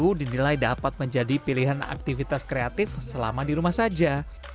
tidak ada yang mengatakan bahwa taidai dapat menjadi pilihan aktivitas kreatif selama di rumah saja